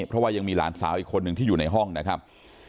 เพราะว่ายังมีหลานสาวอีกคนหนึ่งที่อยู่ในห้องนะครับ